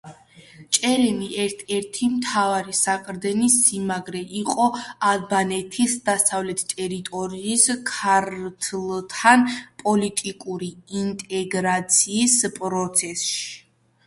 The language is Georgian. ჭერემი ერთ-ერთი მთავარი საყრდენი სიმაგრე იყო ალბანეთის დასავლეთ ტერიტორიის ქართლთან პოლიტიკური ინტეგრაციის პროცესში.